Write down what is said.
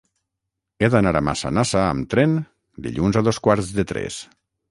He d'anar a Massanassa amb tren dilluns a dos quarts de tres.